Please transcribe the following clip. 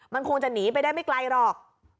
มันคงจะหนีไปได้ไม่ไกลหรอก